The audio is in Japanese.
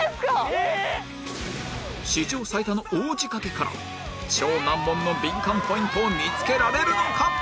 史上最多の大仕掛けから超難問のビンカンポイントを見つけられるのか？